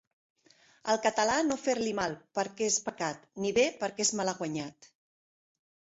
Al català, no fer-li mal, perquè és pecat, ni bé, perquè és malaguanyat.